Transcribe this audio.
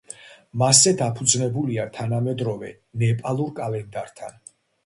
მასზე დაფუძნებულია თანამედროვე ნეპალურ კალენდართან.